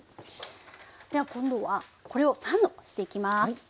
では今度はこれをサンドしていきます。